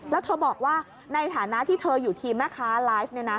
แล้วเธอบอกว่าในฐานะที่เธออยู่ทีมแม่ค้าไลฟ์เนี่ยนะ